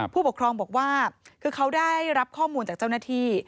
ผู้ปกครองบอกว่าคือเขาได้รับข้อมูลจากเจ้าหน้าที่